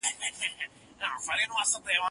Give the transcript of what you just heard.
درسونه د زده کوونکي له خوا لوستل کيږي،